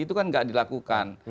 itu kan tidak dilakukan